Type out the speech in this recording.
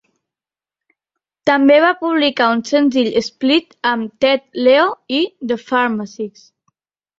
També va publicar un senzill split amb Ted Leo i The Pharmacists.